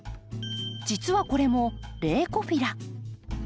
実はこれもレウコフィラ。